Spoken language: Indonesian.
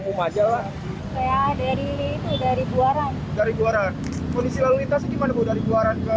ya lumayan terganggu